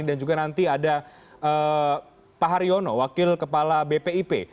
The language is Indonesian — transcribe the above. dan juga nanti ada pak haryono wakil kepala bpip